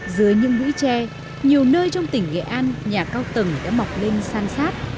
dưới những bụi tre nhiều nơi trong tỉnh nghệ an nhà cao tầng đã mọc lên san sát